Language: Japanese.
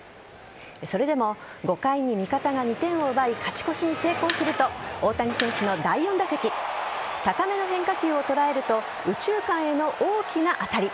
それでも５回に味方が２点を奪い勝ち越しに成功すると大谷選手の第４打席高めの変化球を捉えると右中間への大きな当たり。